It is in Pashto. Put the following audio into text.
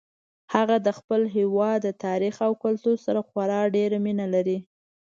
هغه د خپل هیواد د تاریخ او کلتور سره خورا ډیره مینه لري